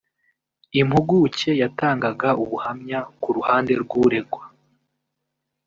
impuguke yatangaga ubuhamya ku ruhande rw’uregwa